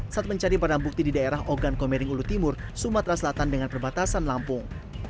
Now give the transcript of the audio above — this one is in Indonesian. saat mencari barang bukti di daerah ogan komering ulu timur sumatera selatan dengan perbatasan lampung